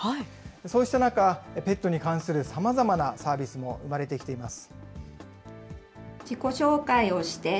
そうした中、ペットに関するさまざまなサービスも生まれてきています。